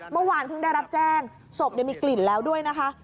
เมื่อวานเพิ่งได้รับแจ้งศพมีกลิ่นแล้วด้วยนะคะ